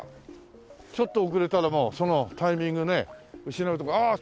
ちょっと遅れたらもうそのタイミングね失うとこ。